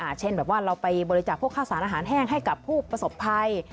เช่นแบบว่าเราไปบริจาคพวกข้าวสารอาหารแห้งให้กับผู้ประสบภัย